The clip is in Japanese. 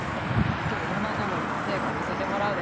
後で山籠もりの成果見せてもらうで。